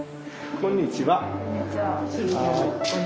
こんにちは。